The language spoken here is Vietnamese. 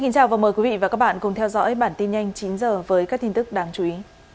chào mừng quý vị đến với bản tin nhanh chín h với các tin tức đáng chú ý